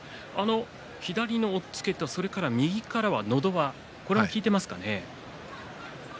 左の押っつけとそれから右からののど輪が効いていますかね。